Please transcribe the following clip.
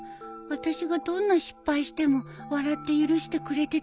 私がどんな失敗しても笑って許してくれてたのに